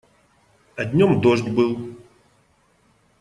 А днём дождь был.